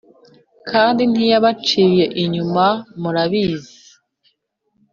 kandi ntiyabaciye inyuma murabizi